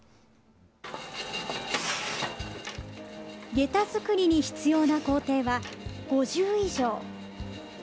げた作りに必要な工程は５０以上。